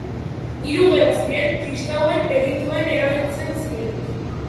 Hiru gela ziren kristauen errituen erabiltzen zirenak.